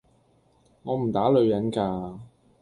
我唔打女人㗎